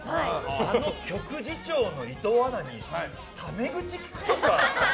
あの局次長の伊藤アナにタメ口きくとか。